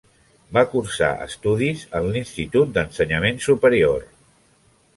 Va cursar estudis en l'Institut d'Ensenyament Superior.